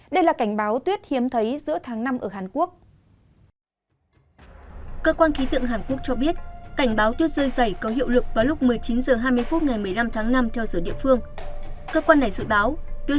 đây là cảnh báo tuyết hiếm thấy giữa tháng năm ở hàn quốc